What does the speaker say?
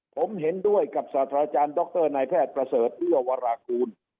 ผมเห็นด้วยกับศาสตราจารย์ดรนายแพทย์ประเสริฐเอื้อวรากูล